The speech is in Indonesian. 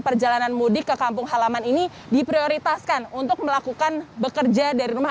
perjalanan mudik ke kampung halaman ini diprioritaskan untuk melakukan bekerja dari rumah